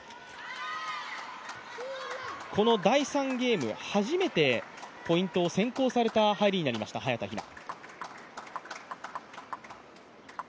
この第３ゲームが初めてポイントを先行された入りになりました、早田ひな。